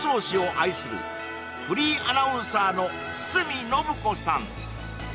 フリーアナウンサーの堤信子さん